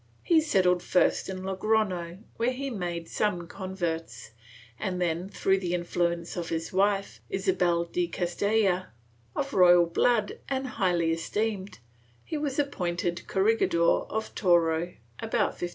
He settled first in Logrofio, where he made some converts, and then, through the influence of his wife, Isabel de Castilla, of royal blood and highly esteemed, he was appointed corregidor of Toro, about 1554.